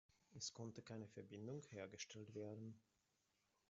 Es konnte keine Verbindung hergestellt werden.